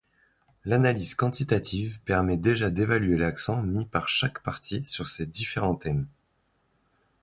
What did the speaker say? L'analyse quantitative permet déjà d'évaluer l'accent mis par chaque parti sur ces différents thèmes.